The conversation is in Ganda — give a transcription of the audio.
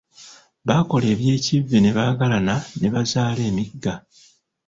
Baakola eby’ekivve ne baagalana ne bazaala emigga.